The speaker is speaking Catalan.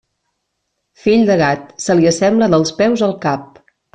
Fill de gat, se li assembla dels peus al cap.